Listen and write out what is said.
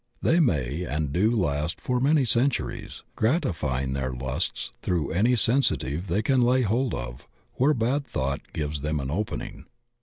They may and do last for many centuries, gratifying their lusts through any sensitive they can lay hold of where bad thought gives them an opening.